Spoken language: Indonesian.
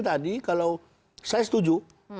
tadi kalau saya setuju